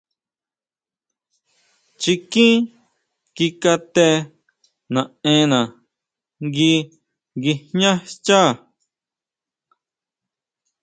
Chikín ki kate naʼena ngui nguijñá xchá.